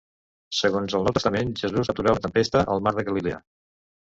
Segons el Nou Testament Jesús va aturar una tempesta al Mar de Galilea.